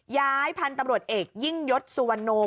ย้ายพันธุ์ตำรวจเอกยิ่งยศสุวรรณโน